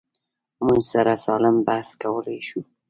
موږ سره سالم بحث کولی شو.